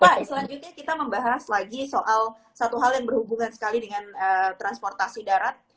pak selanjutnya kita membahas lagi soal satu hal yang berhubungan sekali dengan transportasi darat